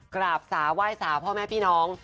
กราบสาวไหว้สาพ่อแม่พี่น้อง